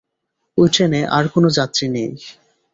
ওই ট্রেনে আর কোনো যাত্রী নেই।